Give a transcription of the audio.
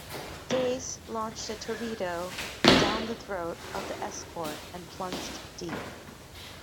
"Dace" launched a torpedo "down the throat" of the escort, and plunged deep.